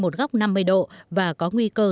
một góc năm mươi độ và có nguy cơ